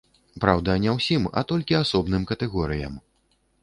Праўда, не ўсім, а толькі асобным катэгорыям.